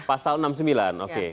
pasal enam puluh sembilan oke